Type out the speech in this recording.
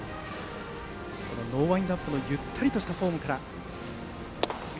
ノーワインドアップのゆっくりとしたフォームから。